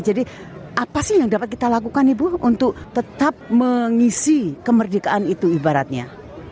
jadi apa sih yang dapat kita lakukan ibu untuk tetap mengisi kemerdekaan itu ibaratnya